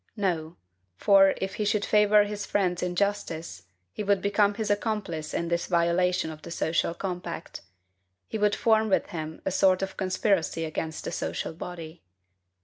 No: for, if he should favor his friend's injustice, he would become his accomplice in his violation of the social compact; he would form with him a sort of conspiracy against the social body.